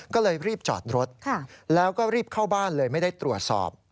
ก็เลยรีบจอดรถแล้วก็รีบเข้าบ้านเลยไม่ได้ตรวจสอบ